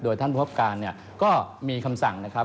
ท่านผู้พบการเนี่ยก็มีคำสั่งนะครับ